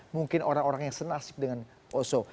mungkin orang orang yang senasib dengan oso